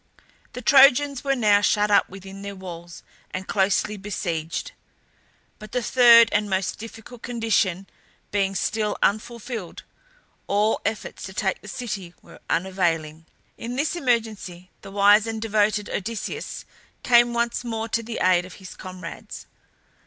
The Trojans were now shut up within their walls and closely besieged; but the third and most difficult condition being still unfulfilled, all efforts to take the city were unavailing. In this emergency the wise and devoted Odysseus came once more to the aid of his comrades.